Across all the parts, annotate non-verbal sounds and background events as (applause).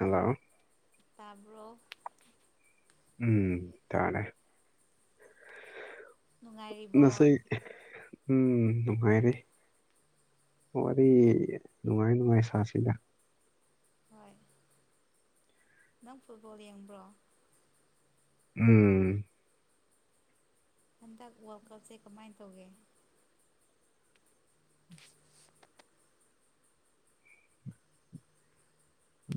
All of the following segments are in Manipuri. ꯍꯜꯂꯣ ꯇꯥꯕ꯭ꯔꯐ ꯎꯝ ꯇꯅꯦ ꯅꯨꯡꯉꯥꯏꯔꯤꯕ ꯉꯁꯤ ꯎꯝ ꯅꯨꯡꯉꯣꯏꯔꯤꯦ ꯋꯥꯔꯤ ꯅꯨꯡꯉꯥꯏ ꯅꯨꯡꯉꯥꯏ ꯁꯥꯁꯤꯗ ꯍꯣꯏ ꯅꯪ ꯐꯨꯠꯕꯣꯜ ꯌꯦꯡꯕ꯭ꯔꯣ ꯎꯝ ꯍꯟꯗꯛ ꯋꯥꯔꯜ ꯀꯞꯁꯦ ꯀꯃꯥꯏꯅ ꯇꯧꯒꯦ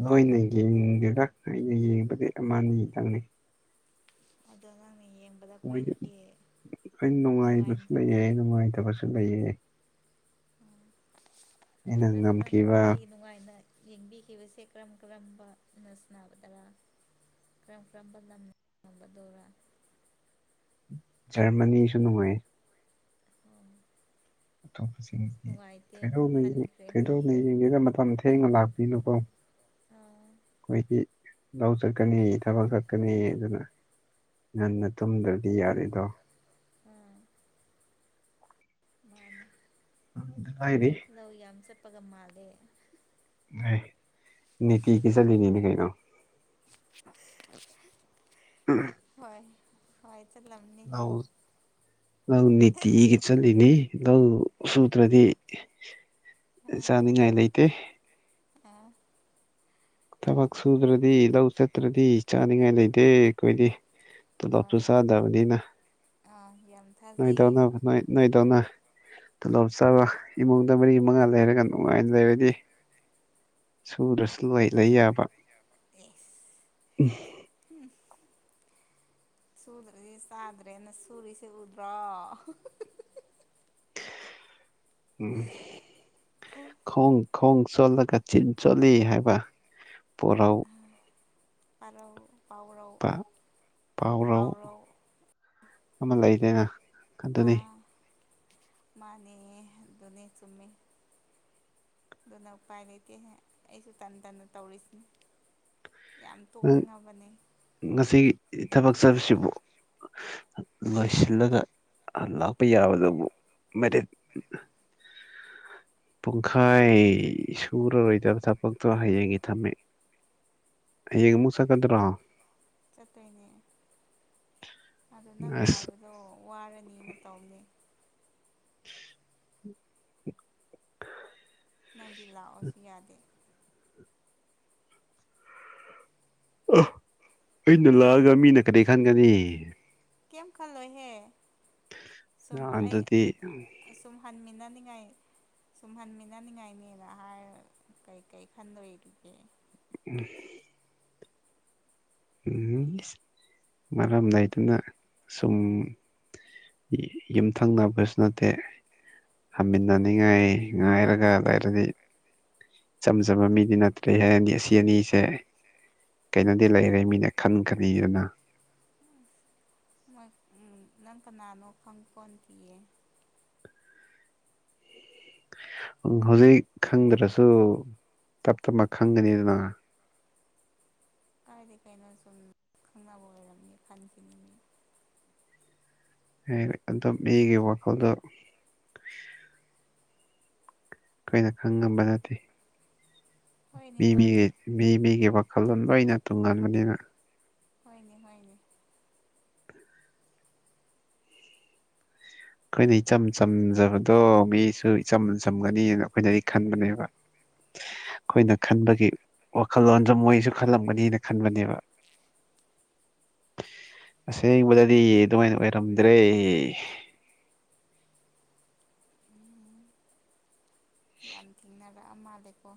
ꯂꯣꯏꯅ ꯌꯦꯡꯗꯦꯗ ꯑꯩꯅ ꯌꯦꯡꯕꯗꯤ ꯑꯃꯅꯤꯅꯤꯈꯤꯇꯪꯅꯤ ꯑꯗꯨꯥꯡ ꯃꯣꯏꯗꯤ ꯍ ꯅꯨꯡꯉꯥꯏ ꯅꯨꯡꯉꯥꯏꯕꯁꯨ ꯂꯩꯌꯦ ꯅꯨꯡꯉꯥꯏꯇꯕꯁꯨ ꯂꯩꯌꯦ ꯑꯩꯅ ꯎ ꯑꯗꯨ ꯅꯪꯅ ꯉꯝꯈꯤꯕ ꯈ꯭ꯋꯥꯏꯗꯒꯤ ꯅꯨꯡꯉꯥꯏꯅ ꯌꯦꯡꯕꯤꯈꯤꯕꯁꯦ ꯀꯔꯝ ꯀꯔꯝꯕꯅ ꯁꯥꯟꯒꯗꯔꯥ ꯀꯔꯝ ꯀꯔꯝꯕ ꯂꯝ ꯅꯉꯝꯕꯗꯧꯔꯥ ꯖꯔꯃꯁꯨꯅꯃꯣꯏ ꯑꯣ ꯑꯇꯣꯞꯄꯁꯤꯡꯒꯤ ꯅꯨꯡꯉꯥꯏꯇꯦ ꯊꯣꯏꯗꯣꯛꯅ ꯍꯟꯈ꯭ꯔꯦ ꯊꯣꯏꯗꯣꯛꯅ ꯌꯦꯡꯒꯦꯒ ꯃꯇꯝ ꯊꯦꯡꯅ ꯂꯥꯛꯄꯤꯅꯨꯀꯣ ꯑꯥ ꯑꯩꯈꯣꯏꯒꯤ ꯂꯧ ꯆꯠꯀꯅꯤ ꯊꯕꯛ ꯆꯠꯀꯅꯤ ꯑꯗꯨꯅ ꯉꯟꯅ ꯇꯨꯝꯗ꯭ꯔꯗꯤ ꯌꯥꯔꯤꯦꯗꯣ ꯎꯝ ꯃꯥꯅꯦ ꯑꯗꯨ ꯍꯥꯏꯔꯤ ꯂꯧ ꯌꯥꯝ ꯆꯠꯄꯒ ꯃꯥꯜꯂꯦ ꯍ ꯅꯅꯤꯇ ꯀ ꯆꯂꯤꯅꯤꯅꯤ ꯀꯩꯅꯩꯅꯣ ꯍꯣꯏ ꯍꯣꯏ ꯆꯠꯂꯝꯅꯤ ꯍꯥꯎ ꯅ ꯅꯠꯇ ꯍꯒ ꯆꯂꯅꯤ ꯂꯧ ꯁꯨꯗ꯭ꯔꯗꯤ ꯆꯥꯅꯤꯡꯉꯥꯏ ꯂꯩꯇꯦ ꯑ ꯊꯕꯛ ꯁꯨꯗ꯭ꯔꯗꯤ ꯂꯧ ꯆꯠꯇ꯭ꯔꯗꯤ ꯆꯥꯅꯤꯡꯉꯥꯏ ꯂꯩꯇꯦ ꯑꯩꯈꯣꯏꯗꯤ ꯇꯣꯂꯣꯞꯁꯨ ꯍꯣꯏ ꯆꯥꯗꯕꯅꯤꯅ ꯑꯥ ꯌꯥꯝ ꯅꯣꯏꯗꯧꯅ ꯊꯥꯖꯩꯌꯦ ꯅꯣꯏ ꯅꯣꯏꯗꯧꯅ ꯇꯣꯂꯣꯞ ꯆꯕ ꯏꯃꯨꯡꯗ ꯃꯔꯤ ꯃꯉꯥ ꯂꯩꯔꯒ ꯅꯨꯡꯉꯥꯏꯅ ꯂꯩꯔꯗꯤ ꯁꯨꯗꯁꯨ ꯂꯣꯏ ꯂꯩ ꯌꯥꯕ ꯑꯦ ꯎꯝ ꯁꯨꯗ꯭ꯔꯁꯤ ꯆꯥꯗ꯭ꯔꯦꯅ ꯁꯨꯔꯤꯁꯤꯦ ꯎꯗ꯭ꯔꯣ ꯈꯣꯡ ꯈꯪ ꯆꯣꯠꯂꯒ ꯆꯠ ꯆꯣꯠꯂꯤ ꯍꯥꯏꯕ ꯄꯔꯥꯎ ꯄꯥꯎ ꯄꯥꯎꯔꯧ ꯄꯥꯎꯔꯧ ꯑꯃ ꯂꯩꯗꯅ ꯑꯗꯨꯟꯅꯤ ꯑꯥ ꯃꯥꯅꯦ ꯣꯅꯤ ꯆꯨꯝꯃꯦ ꯑꯗꯨꯅ ꯎꯄꯥꯏ ꯂꯩꯇꯦꯍ ꯑꯩꯁꯨ ꯇꯟ ꯇꯟꯅ ꯇꯧꯔꯤꯁꯤꯅꯦ ꯌꯥꯝ ꯅꯪ ꯇꯣꯛꯅꯤꯡꯉꯕꯅꯤ ꯉꯁꯤ ꯊꯕꯛ ꯆꯠꯕꯁꯤꯕꯨ ꯂꯣꯏꯁꯤꯜꯂꯒ ꯂꯥꯛꯞꯄ ꯌꯥꯕꯗꯕꯨ ꯃꯦ ꯄꯨꯡꯈꯥꯏ ꯁꯨꯔꯔꯣꯏꯗꯕ ꯊꯕꯛꯇꯣ ꯍꯌꯦꯡꯒꯤ ꯊꯝꯃꯦ ꯍꯒ ꯃꯨꯁꯥꯀꯗ꯭ꯔꯥ ꯆꯠꯠꯇꯅꯦ ꯑꯗꯨ ꯅꯪ ꯑꯁ ꯉꯥꯏꯕꯗꯣ ꯋꯥꯔꯅꯤꯅ ꯇꯧꯅꯤ (unintelligible) ꯅꯪꯗꯤ ꯂꯥꯛꯑꯣꯁꯨ ꯌꯥꯗꯦ ꯑ ꯑꯩꯅ ꯂꯥꯛꯑꯒ ꯂꯥꯛꯑꯗꯤ ꯃꯤꯅ ꯀꯔꯤꯩ ꯈꯟꯒꯅꯤ ꯀꯩꯝ ꯈꯜꯂꯣꯏꯍꯦ ꯁꯨꯝ ꯑꯩ ꯑꯗꯨꯗꯤ ꯁꯨꯝ ꯍꯟꯃꯤꯟꯅꯅꯤꯡ ꯉꯥꯏ ꯁꯨꯝꯍꯟꯃꯤꯟꯅꯅꯤꯡꯉꯥꯏꯅꯦꯅ ꯍꯥꯏꯔ ꯀꯩ ꯀꯔꯤ ꯈꯟꯗꯣꯏꯔꯤꯒꯦ ꯎꯝ ꯎꯝ ꯃꯔꯝꯗꯥꯏꯗꯨꯅ ꯁꯨꯝ ꯌꯨꯝꯊꯪꯅꯕꯁꯨ ꯅꯠꯇꯦ ꯍꯃꯤꯟꯅꯅꯤꯡꯉꯥꯏ ꯉꯥꯏꯔꯒ ꯑꯗꯏꯔꯗꯤ ꯏꯆꯝ ꯆꯝꯕ ꯃꯤꯗꯤ ꯅꯠꯇ꯭ꯔꯦ ꯍꯥꯏ ꯑꯅꯤ ꯑꯁꯤ ꯑꯅꯤꯁꯦ ꯀꯩꯅꯣꯗꯤ ꯂꯩꯔꯦ ꯃꯤꯅ ꯈꯟꯒꯅꯤꯗꯅ ꯣꯏ ꯅꯪ ꯀꯅꯥꯅꯣ ꯈꯪ ꯀꯣꯟ ꯄꯤꯌꯦ ꯎ ꯍꯧꯖꯤꯛ ꯈꯪꯗ꯭ꯔꯁꯨ ꯇꯞ ꯇꯞꯅ ꯈꯪꯒꯅꯤꯗꯅ ꯀꯥꯏꯗꯒꯤ ꯀꯩꯅꯣ ꯁꯨꯝ ꯈꯪꯅꯕ ꯑꯣꯏꯔꯝꯅꯤ ꯐꯟꯈꯤꯅꯤꯡꯅꯤ ꯑꯗꯨꯣ ꯑꯩꯒꯤ ꯋꯥꯈꯜꯗ ꯀꯩꯅ ꯈꯪ ꯉꯝꯕ ꯅꯠꯇꯦ ꯍꯣꯏꯅꯦ ꯃꯤ ꯍꯣꯏꯅꯦ ꯃꯤꯒꯤ ꯃꯤ ꯃꯤꯒꯤ ꯋꯥꯈꯜꯂꯣꯟ ꯂꯣꯏꯅ ꯇꯨꯡꯒꯟꯥꯟꯕꯅꯤꯅ ꯍꯣꯏꯅꯦ ꯍꯣꯏꯅꯦ ꯑꯩꯈꯣꯏꯅ ꯏꯆꯝ ꯆꯝꯖꯕꯗꯣ ꯃꯤꯁꯨ ꯏꯆꯝ ꯆꯝꯒꯅꯤꯅ ꯑꯩꯈꯣꯏꯅꯗꯤ ꯈꯟꯕꯅꯦꯕ ꯑꯩꯈꯣꯏꯅ ꯈꯟꯕꯒꯤ ꯋꯥꯈꯜꯂꯣꯟꯗ ꯃꯣꯏꯁꯨ ꯈꯜꯂꯝꯒꯅꯤꯅ ꯈꯟꯕꯅꯦꯕ (inaudible) ꯑꯁꯦꯡꯕꯗꯗꯤ ꯑꯗꯨꯃꯥꯏꯅ ꯑꯣꯏꯔꯝꯗ꯭ꯔꯦ ꯎꯝ ꯌꯥꯝ ꯊꯦꯡꯅꯔꯛꯑ ꯃꯥꯜꯂꯦꯀꯣ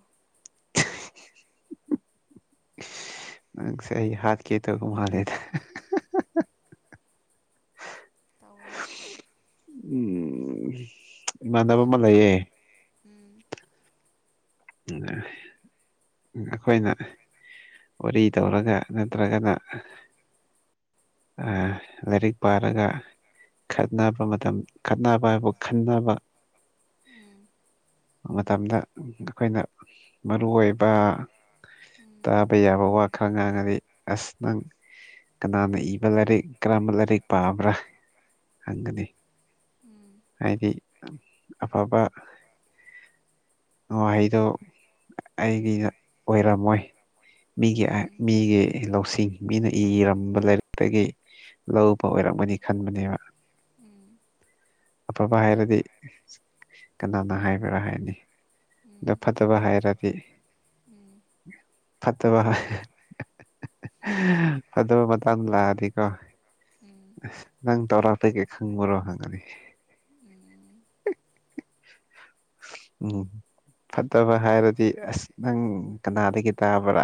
ꯅꯪ ꯁ ꯍꯥꯠ ꯀꯦꯇ ꯨꯃꯂꯦꯗ (inaudible) ꯇꯧꯅꯠꯇ ꯎꯝ ꯏꯃꯥꯟꯅꯕ ꯑꯃ ꯈꯪ ꯂꯩꯌꯦ ꯎꯝ ꯑ ꯑꯩꯈꯣꯏꯅ ꯋꯥꯔꯤ ꯇꯧꯔꯒ ꯅꯠꯇ꯭ꯔꯒꯅ ꯑ ꯂꯥꯏꯔꯤꯛ ꯄꯥꯔꯒ ꯈꯠꯅꯕ ꯃꯇꯝ ꯈꯠꯅꯕ ꯍꯥꯏꯕꯨ ꯈꯟꯅꯅꯕ ꯎꯝ ꯃꯇꯝꯗ ꯑꯩꯈꯣꯏꯅ ꯃꯔꯨ ꯑꯣꯏꯕ ꯎꯝ ꯇꯥꯕ ꯌꯥꯕ ꯋꯥ ꯈꯔ ꯉꯥꯡꯉꯗꯤ ꯑꯁ ꯅꯪ ꯀꯅꯥꯅ ꯏꯕ ꯂꯥꯏꯔꯤꯛ ꯀꯔꯝꯕ ꯂꯥꯏꯔꯤꯛ ꯄꯥꯕ꯭ꯔꯥ ꯍꯪꯒꯅꯤ ꯎꯝ ꯍꯥꯏꯗꯤ ꯑꯐꯕ ꯋꯥꯍꯩꯗꯣ ꯑꯩꯒꯤ ꯑꯣꯏꯔꯝꯃꯣꯏ ꯃꯤꯒꯤ ꯎꯝ ꯃꯤꯒꯤ ꯂꯧꯁꯤꯡ ꯃꯤꯅ ꯏꯔꯝꯕ ꯂꯥꯏꯔꯤꯛꯇꯒꯤ ꯂꯧꯕ ꯑꯣꯏꯔ ꯀꯛꯒꯅꯤ ꯈꯟꯕꯅꯦꯕ ꯎꯝ ꯑꯐꯕ ꯍꯥꯏꯔꯗꯤ ꯀꯅꯥꯅ ꯍꯥꯏꯕꯔꯥ ꯍꯥꯏꯔꯅꯤ ꯎꯝ ꯎꯝ ꯑꯗꯣ ꯐꯠꯇꯕ ꯍꯥꯏꯔ ꯎꯝ ꯐꯠꯇꯕ ꯐꯠꯇꯕ ꯃꯇꯥꯡꯗ ꯂꯥꯛꯑꯅꯤꯀꯣ ꯎꯝ ꯅꯪ ꯇꯧꯔꯥꯇꯒꯦ ꯈꯪꯕꯔꯣ ꯍꯪꯉꯅꯤ ꯎꯝ ꯎꯝ ꯐꯠꯇꯕ ꯍꯥꯏꯔꯗꯤ ꯑꯁ ꯅꯪ ꯀꯅꯥꯗꯒꯤ ꯇꯥꯕ꯭ꯔꯥ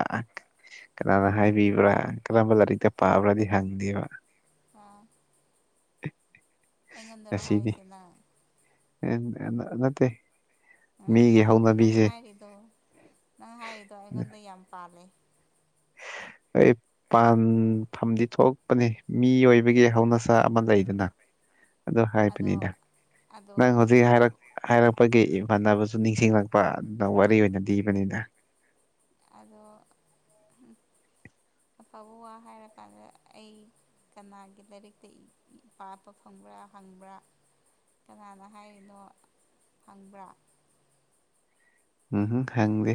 ꯀꯅꯥꯅ ꯑꯣ ꯍꯥꯏꯕꯤꯕ꯭ꯔꯥ ꯀꯔꯝꯕ ꯂꯥꯏꯔꯤꯛꯇ ꯄꯥꯕ꯭ꯔꯥꯗꯤ ꯍꯪꯗꯦꯕ ꯑꯥ ꯑꯩꯉꯣꯟꯗꯔꯣ ꯍꯥꯏꯁꯤꯅ ꯇꯦ ꯎꯝ ꯅꯪ ꯅꯪ ꯍꯥꯏꯗꯨꯣ ꯅꯪ ꯍꯥꯏꯔꯤꯗꯣ ꯑꯩꯉꯣꯟꯗ ꯌꯥꯝ ꯄꯥꯜꯂꯦ (inaudible) ꯑꯩ ꯄꯥꯟꯐꯝꯗꯤ ꯊꯣꯛꯂꯛꯄꯅꯤ ꯃꯤ ꯑꯣꯏꯕꯒꯤ ꯍꯧꯅꯁꯥ ꯑꯃ ꯂꯩꯗꯅ ꯑ ꯑꯗꯣ ꯍꯥꯏꯕꯅꯤꯗ ꯑꯗꯣ ꯅꯪ ꯍꯧꯖꯤꯛ ꯍꯥꯏꯔꯛ ꯑꯐꯕ ꯍꯥꯏꯔꯛꯄꯒꯤ ꯐꯥꯟꯅꯕꯁꯨ ꯅꯤꯡꯁꯤꯡꯂꯛꯄ ꯑꯗꯨꯅ ꯋꯥꯔꯤ ꯑꯣꯏꯅ ꯂꯤꯕꯅꯤꯅ ꯑꯗꯣ ꯑꯐꯕ ꯋꯥ ꯍꯥꯏꯔꯀꯥꯟꯗ ꯑꯩ ꯀꯅꯥꯒꯤ ꯂꯥꯏꯔꯤꯛꯇ ꯄꯥꯄ ꯐꯪꯕ꯭ꯔꯥ ꯍꯪꯕ꯭ꯔꯥ ꯀꯅꯥꯅ ꯍꯥꯏꯔꯤꯅꯣ ꯐꯪꯕ꯭ꯔꯥ ꯎꯝ ꯍꯒꯦ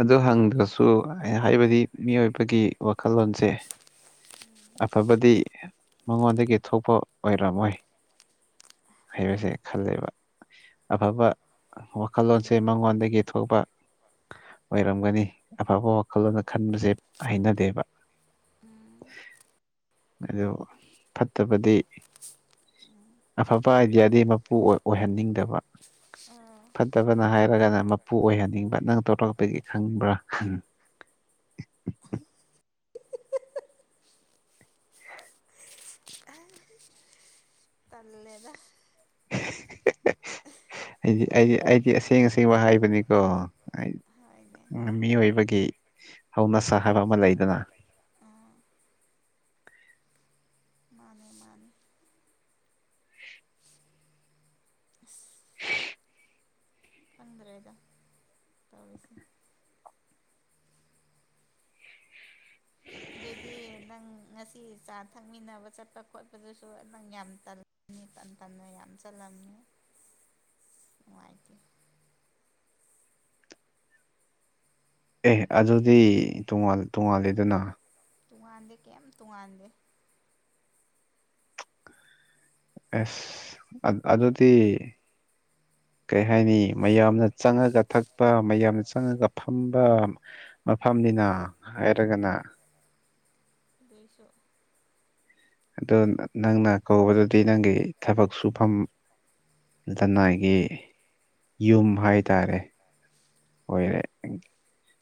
ꯑꯗꯨ ꯍꯪꯗ꯭ꯔꯁꯨ ꯍꯥꯏꯕꯗꯤ ꯃꯤꯑꯣꯏꯕꯒꯤ ꯋꯥꯈꯜꯂꯣꯟꯁꯦ ꯑꯐꯕꯗꯤ ꯃꯉꯣꯟꯗꯒꯤ ꯊꯣꯛꯄ ꯑꯣꯏꯔꯝꯃꯣꯏ ꯍꯥꯏꯕꯁꯦ ꯈꯜꯂꯦꯕ ꯑꯐꯕ ꯋꯥꯈꯜꯂꯣꯟꯁꯦ ꯎꯝ ꯃꯉꯣꯟꯗꯒꯤ ꯊꯣꯛꯄ ꯑꯣꯏꯔꯝꯒꯅꯤ ꯑꯐꯕ ꯋꯥꯈꯜꯂꯣꯟꯅ ꯈꯟꯕꯁꯦ ꯍꯩꯅꯗꯦꯕ ꯎꯝ ꯑꯗꯨ ꯐꯠꯇꯕꯗꯤ ꯑꯐꯕ ꯑꯥꯏꯗꯤꯌꯥꯗꯤ ꯃꯄꯨ ꯑꯣ ꯑꯣꯏꯍꯟꯅꯤꯡꯗꯕ ꯑꯥ ꯐꯠꯇꯕꯅ ꯍꯥꯏꯔ ꯅꯠꯇ꯭ꯔꯒꯅ ꯃꯄꯨ ꯑꯣꯏꯍꯟꯅꯤꯡꯕ ꯅꯪ ꯇꯧꯔꯛꯄꯒꯤ ꯈꯪꯕ꯭ꯔꯥ (inaudible) ꯇꯜꯂꯦꯗ ꯑꯩꯗꯤ ꯑꯩꯗꯤ ꯑꯩꯗꯤ ꯑꯁꯦꯡ ꯑꯁꯦꯡꯕ ꯍꯥꯏꯕꯅꯤꯀꯣ ꯑꯩ ꯍꯣꯏꯅꯦ ꯃꯤꯑꯣꯏꯕꯒꯤ ꯍꯧꯅꯁꯥ ꯍꯥꯏꯕ ꯑꯃ ꯂꯩꯗꯅ (unintelligible) ꯑꯥ ꯃꯥꯅꯦ ꯃꯥꯅꯦ ꯀꯪꯗ꯭ꯔꯦꯗ ꯇꯧꯔꯤꯁꯤ ꯗꯣꯏꯗꯤ ꯅꯪ ꯉꯁꯤ ꯆꯥ ꯊꯛꯃꯤꯟꯅꯕ ꯆꯠꯄ ꯈꯣꯠꯄꯗꯨꯁꯨ ꯅꯪ ꯌꯥꯝ ꯇꯜ ꯅꯤ ꯇꯟ ꯇꯟꯅ ꯌꯥꯝ ꯆꯠꯂꯝꯉꯦ (inaudible) ꯋꯥꯏꯇꯦ ꯑꯦ ꯑꯗꯨꯗꯤ ꯇꯣꯉꯥꯟ ꯇꯣꯉꯥꯟꯂꯦꯗꯅ ꯇꯨꯉꯥꯟꯗꯦ ꯀꯦꯝ ꯇꯨꯉꯥꯟꯗꯦ ꯑꯦꯁ ꯑꯠ ꯑꯗꯨꯗꯤ ꯀꯩ ꯍꯥꯏꯅꯤ ꯃꯌꯥꯝꯅ ꯆꯪꯉꯒ ꯊꯛꯄ ꯃꯌꯥꯝꯅ ꯆꯪꯉꯒ ꯐꯝꯕ ꯃꯐꯝ ꯅꯤꯅ ꯍꯥꯏꯔꯒꯅ ꯗꯨꯏꯁꯣ ꯑꯗꯣ ꯅꯪꯅ ꯀꯧꯕꯗꯨꯗꯤ ꯅꯪꯒꯤ ꯊꯕꯛ ꯁꯨꯐꯝ ꯂꯅꯥꯏꯒꯤ ꯌꯨꯝ ꯍꯥꯏꯇꯥꯔꯦ ꯑꯣꯏꯔꯦ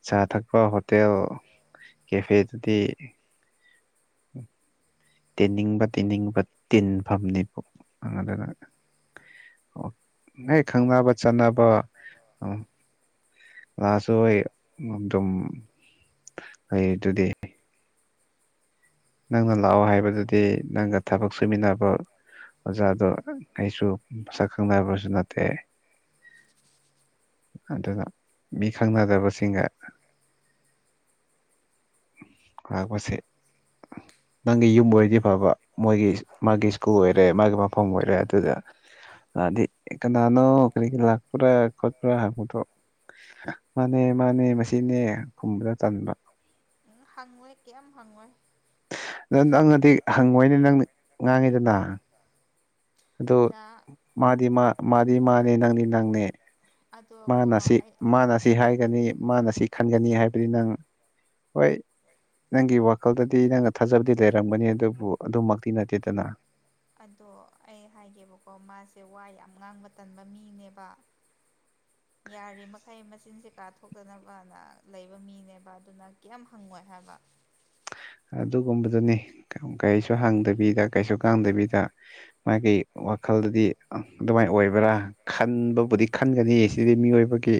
ꯆꯥ ꯊꯛꯄ ꯍꯣꯇꯦꯜ ꯀꯦꯐꯦꯗꯨꯗꯤ ꯎꯝ ꯇꯤꯟꯅꯤꯡꯕ ꯇꯤꯟꯅꯤꯡꯕ ꯇꯤꯟꯐꯝꯅꯦꯕ ꯑꯗꯅ ꯑꯣ ꯅꯣꯏ ꯈꯪꯅꯕ ꯆꯥꯟꯅꯕ ꯎꯝ ꯂꯁꯨ ꯍꯣꯏ ꯉꯝꯗꯨꯝ ꯂꯩꯔꯤꯗꯨꯗꯤ ꯅꯪꯅ ꯂꯥꯛꯑꯣ ꯍꯥꯏꯕꯗꯨꯗꯤ ꯅꯪꯒ ꯊꯕꯛ ꯁꯨꯃꯤꯟꯅꯕ ꯑꯣꯖꯥꯗꯣ ꯑꯩꯁꯨ ꯃꯁꯛ ꯈꯪꯗꯕꯁꯨ ꯅꯠꯇꯦ ꯑꯗꯨꯅ ꯃꯤ ꯈꯪꯅꯗꯕꯁꯤꯡꯒ ꯂꯥꯛꯄꯁꯦ ꯅꯪꯒꯤ ꯌꯨꯝ ꯑꯣꯏꯔꯗꯤ ꯐꯕ ꯃꯣꯏꯒꯤ ꯃꯥꯒꯤ ꯁ꯭ꯀꯨꯜ ꯑꯣꯏꯔꯦ ꯃꯥꯒꯤ ꯃꯐꯝ ꯑꯣꯏꯔꯦ ꯑꯗꯨꯗ ꯑꯗꯤ ꯀꯅꯣ ꯀꯔꯤꯒꯤ ꯂꯥꯛꯄ꯭ꯔ ꯈꯣꯠꯄ꯭ꯔ ꯍꯥꯏꯕꯗꯣ ꯃꯥꯅꯦ ꯃꯥꯅꯦ ꯃꯁꯤꯅꯦ ꯈꯨꯝꯕꯗ ꯇꯟꯕ ꯎ ꯍꯥꯡꯉꯣꯏ ꯀꯩꯝ ꯍꯥꯡꯉꯣꯏ ꯑꯗ ꯅꯪꯅꯗꯤ ꯍꯪꯉꯣꯏꯅꯤ ꯅꯪꯅ ꯉꯥꯡꯉꯤꯗꯅ ꯑꯗꯣ ꯗ ꯃꯥꯗꯤ ꯃꯥ ꯃꯥꯗꯤ ꯃꯥꯅꯦ ꯅꯪꯅꯦ ꯅꯪꯅꯦ ꯑꯗꯣ ꯀꯣ ꯃꯥꯅ ꯑꯁꯤ ꯑꯩ ꯃꯥꯅ ꯁꯤ ꯍꯥꯏꯒꯅꯤ ꯃꯥꯅ ꯁꯤ ꯈꯟꯒꯅꯤ ꯍꯥꯏꯕꯗꯤ ꯅꯪ ꯍꯣꯏ ꯅꯪꯒꯤ ꯋꯥꯈꯜꯗꯗꯤ ꯅꯪꯅ ꯊꯥꯖꯕꯗꯤ ꯂꯩꯔꯝꯒꯅꯤ ꯑꯗꯨꯕꯨ ꯑꯗꯨꯃꯛꯇꯤ ꯅꯠꯇꯦꯗꯅ ꯑꯗꯣ ꯑꯩ ꯍꯥꯏꯒꯦꯕꯀꯣ ꯃꯥꯁꯦ ꯋꯥ ꯌꯥꯝ ꯉꯥꯡꯕ ꯇꯟꯕ ꯃꯤꯅꯦꯕ ꯌꯥꯔꯤ ꯃꯈꯩ ꯃꯆꯤꯟꯁꯦ ꯀꯥꯊꯣꯛꯇꯅꯕꯅ ꯂꯩꯕ ꯃꯤꯅꯦꯕ ꯑꯗꯨꯅ ꯀꯩꯝ ꯍꯪꯉꯣꯏ ꯍꯥꯏꯕ (inaudible) ꯑꯗꯨꯒꯨꯝꯕꯗꯨꯅꯤ ꯀꯩꯁꯨ ꯍꯪꯗꯕꯤꯗ ꯀꯩꯁꯨ ꯀꯥꯡꯗꯕꯤꯗ ꯃꯥꯒꯤ ꯋꯥꯈꯜ ꯑꯗꯨꯗꯤ ꯑꯗꯨꯃꯥꯏꯅ ꯑꯣꯏꯕ꯭ꯔꯥ ꯈꯟꯕꯕꯨꯗꯤ ꯈꯟꯒꯅꯤ ꯁꯤꯗꯤ ꯃꯤꯑꯣꯏꯕꯒꯤ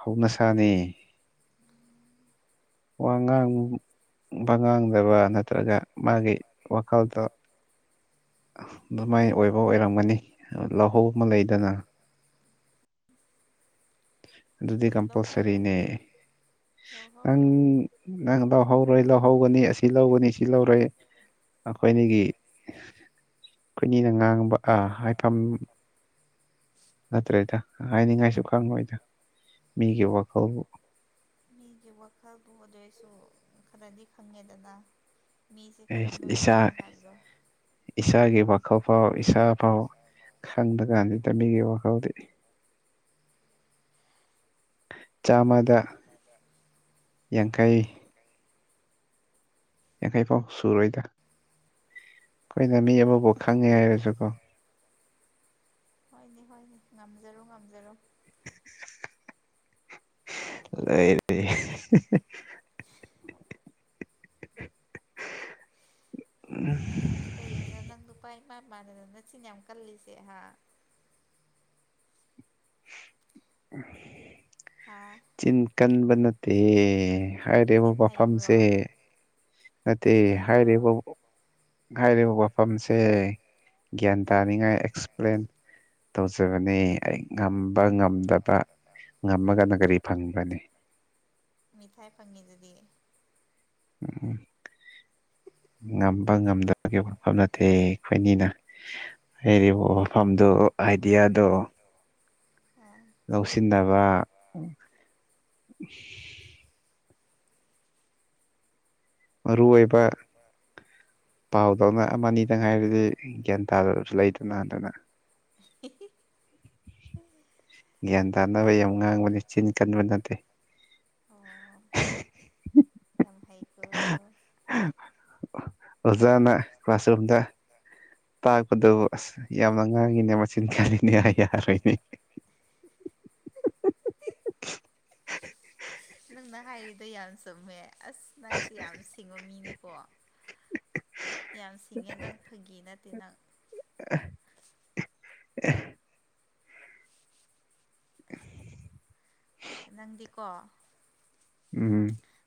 ꯍꯧꯅꯁꯥꯅꯤ ꯋꯥ ꯉꯥꯡ ꯋꯥꯉꯥꯡꯗꯕ ꯅꯠꯇ꯭ꯔꯒ ꯃꯥꯒꯤ ꯋꯥꯈꯜꯗꯣ ꯑꯗꯨꯃꯥꯏꯅ ꯑꯣꯏꯕ ꯑꯣꯏꯔꯝꯒꯅꯤ ꯂꯧꯍꯧ ꯑꯃ ꯂꯩꯗꯅ ꯑꯗꯨꯗꯤ ꯂꯧꯍꯧꯔꯣꯏ ꯀꯝꯄꯜꯁꯔꯤꯅꯦ ꯅꯪ ꯂꯧꯍꯧꯔꯣꯏ ꯅꯪ ꯂꯧꯍꯧꯔꯣꯏ ꯂꯧꯍꯧꯒꯅꯤ ꯑꯁꯤ ꯂꯧꯒꯅꯤ ꯁꯤ ꯂꯧꯔꯣꯏ ꯑꯩꯈꯣꯏꯒꯤ ꯑꯩꯣꯏꯅꯤꯅ ꯉꯥꯡꯕ ꯍꯥꯏꯐꯝ ꯑꯠꯇꯦꯇ ꯍꯥꯏꯅꯤꯡꯉꯥꯏꯁꯨ ꯈꯪꯉꯣꯏꯗ ꯃꯤꯒꯤ ꯋꯥꯈꯜꯕꯨ ꯁꯨ ꯈꯔꯗꯤ ꯈꯪꯉꯦꯗꯅ ꯃꯤꯁꯦ ꯀꯔꯝꯕ ꯃꯤꯅꯣ ꯍꯥꯏꯕꯗꯣ ꯏꯁꯥ ꯏꯥꯒꯤ ꯍꯕ ꯀꯧꯕ ꯐꯥꯎ ꯏꯥ ꯐꯥꯎ ꯈꯪꯗ ꯥꯟꯗꯤ ꯇꯃꯤꯒꯤ ꯋꯥ ꯀꯥꯎꯗꯤ ꯆꯥꯝꯃꯗ ꯌꯥꯡꯈꯩ ꯌꯥꯡꯈꯩ ꯐꯥꯎ ꯁꯨꯔꯣꯏꯗ ꯑꯩꯈꯣꯏꯅ ꯃꯤ ꯑꯃꯕꯨꯥꯎ ꯈꯪꯉꯦ ꯍꯥꯏꯔꯁꯨꯀꯣ ꯍꯣꯏꯅꯦ ꯍꯣꯏꯅꯦ ꯉꯝꯖꯔꯣ ꯉꯝꯖꯔꯣ ꯂꯩ ꯂꯩ ꯎ ꯀꯩꯒꯤꯅ ꯅꯪ ꯅꯨꯄꯥ ꯏꯃꯥ ꯏ ꯃꯥꯟꯅꯅ ꯅ ꯁꯤꯤꯟꯅ ꯌꯥꯝ ꯀꯜꯂꯤꯁꯦ ꯍꯥ (inaudible) ꯍꯥ ꯆꯤꯟ ꯀꯟꯕ ꯅꯠꯇꯦ ꯍꯥꯏꯔꯦꯕ ꯆꯤꯟ ꯍꯩꯕ꯭ꯔꯣ ꯃꯐꯝꯁꯦ ꯅꯠꯇ ꯆꯤꯟ ꯍꯥꯏꯔꯦ ꯍꯩꯕ꯭ꯔꯣ ꯍꯥꯏꯔꯤꯕ ꯋꯥꯐꯝꯁꯦ ꯒ꯭ꯌꯥꯟ ꯎꯝ ꯇꯥꯅꯤꯡꯉꯥꯏ ꯑꯦꯛꯁꯄ꯭ꯂꯦꯟ ꯇꯧꯖꯕꯅꯦ ꯑꯩ ꯉꯝꯕ ꯉꯝꯗꯕ ꯉꯝꯃꯒꯅ ꯀꯔꯤ ꯐꯪꯕꯅꯤ ꯃꯤꯊꯥꯏ ꯐꯪꯉꯤꯗꯨꯗꯤ ꯎꯝ ꯉꯝꯕ ꯉꯝꯗꯕꯒꯤ ꯋꯥꯠꯐꯝ ꯅꯠꯇꯦ ꯑꯩꯈꯣꯏꯅꯤꯅ ꯍꯥꯏꯔꯤꯕ ꯃꯐꯝꯗꯨ ꯑꯥꯏꯗꯤꯌꯥꯗꯣ ꯑ ꯂꯧꯁꯤꯟꯅꯕ ꯃꯔ ꯔꯨ ꯑꯣꯏ ꯄꯥꯎꯗꯧꯅ ꯑꯃꯅꯤ ꯑꯗꯪ ꯍꯥꯏꯔꯗꯤ ꯒ꯭ꯌꯥꯟ ꯇꯥꯗꯕꯁꯨ ꯂꯩꯗ ꯊꯅꯍꯇꯅ (inaudible) ꯒ꯭ꯌꯥꯟ ꯇꯥꯅꯕ ꯌꯥꯝ ꯉꯥꯡꯕꯅꯦ ꯆꯤꯟ ꯀꯟꯕ ꯅꯠꯇꯦ ꯑꯣ ꯌꯥꯝ ꯍꯩꯀ ꯑꯣꯖꯥꯅ ꯀ꯭ꯂꯥꯁꯔꯨꯝꯗ ꯇꯥꯛꯄꯗꯨ ꯑꯁ ꯌꯥꯝꯅ ꯉꯥꯡꯉꯤꯅꯦ ꯃꯆꯤꯟ ꯀꯌꯥꯔꯤꯅꯦ ꯌꯥꯔꯣꯏꯅꯦ (inaudible) ꯅꯪ ꯑ ꯌꯥꯝ ꯆꯨꯝꯃꯦꯦ ꯑꯁ ꯅꯪꯁꯦ ꯌꯥꯝ ꯁꯤꯡꯕ ꯃꯤꯅꯦꯀꯣ ꯌꯥꯝ ꯁꯤꯡꯉꯦ ꯅꯪ ꯐꯒꯤ ꯅꯠꯇꯦ ꯅꯪ ꯑ (inaudible) ꯅꯪꯗꯤꯀꯣ ꯎꯝ